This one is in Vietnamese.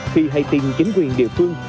vì hãy tin chính quyền địa phương